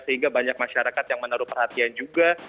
sehingga banyak masyarakat yang menaruh perhatian juga